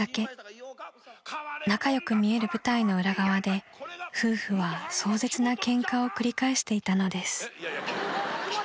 ［仲良く見える舞台の裏側で夫婦は壮絶なケンカを繰り返していたのです］